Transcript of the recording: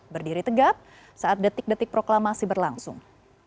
berdiri tegap saat detik detik proklamasi berlangsung